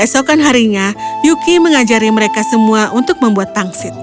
esokan harinya yuki mengajari mereka semua untuk membuat pangsit